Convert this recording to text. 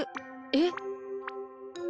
えっ？